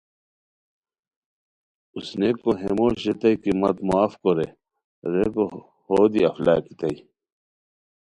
اوسنئیکو ہے موش ریتائے کی مت معاف کورے ریکو ہو دی اف لاکیتائے